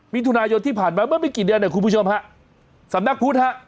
มิถุนายนที่ผ่านมาเมื่อไม่กี่เดือนเนี่ยคุณผู้ชมฮะสำนักพุทธฮะ